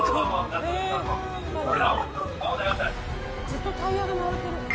ずっとタイヤが回ってる。